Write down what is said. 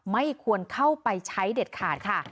ไม่ควรเข้าไปใช้เด็ดขาดค่ะ